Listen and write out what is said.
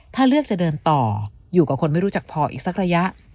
ถ้าเลือกจะเดินต่ออยู่กับคนไม่รู้จักพออีกสักระยะ